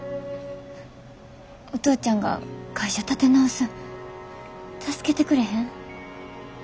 お父ちゃんが会社立て直すん助けてくれへん？